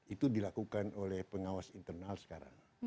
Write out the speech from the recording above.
itu dilakukan oleh pengawas internal sekarang